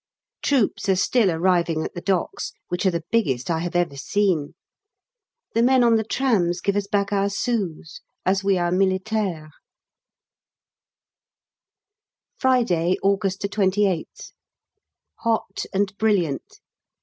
Troops are still arriving at the docks, which are the biggest I have ever seen. The men on the trams give us back our sous, as we are "Militaires." Friday, August 28th. Hot and brilliant.